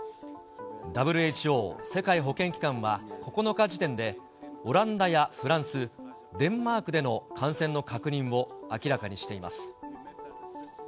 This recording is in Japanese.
ＷＨＯ・世界保健機関は９日時点で、オランダやフランス、デンマークでの感染の確認を明らかにしています。